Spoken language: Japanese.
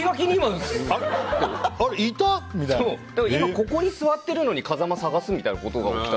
ここに座っているのに風間を捜すみたいなことが起きて。